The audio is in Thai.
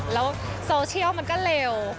แล้วโซเชียลมันก็เร็ว